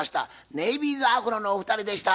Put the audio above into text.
ネイビーズアフロのお二人でした。